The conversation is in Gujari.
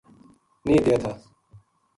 نیہہ دیے تھا